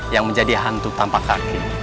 yang menjadi hantu tanpa kaki